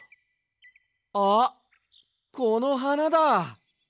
あっこのはなだ！